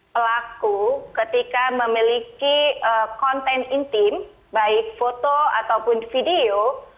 pelaku ketika memiliki konten intim baik foto ataupun video